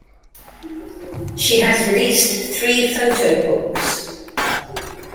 She has released three photobooks.